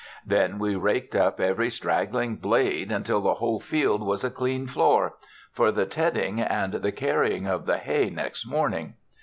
Then we raked up every straggling blade, till the whole field was a clean floor for the tedding and the carrying of the hay next morning.